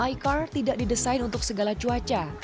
icar tidak didesain untuk segala cuaca